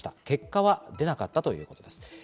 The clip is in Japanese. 結果は出なかったということです。